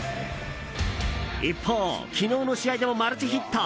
一方、昨日の試合でもマルチヒット！